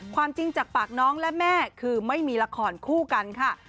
ความจริงจากปากน้องและแม่คือไม่มีละครคู่กันค่ะ